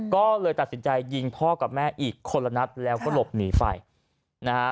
ก็เลยตัดสินใจยิงพ่อกับแม่อีกคนละนัดแล้วก็หลบหนีไปนะฮะ